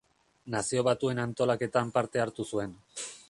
Nazio Batuen antolaketan parte hartu zuen.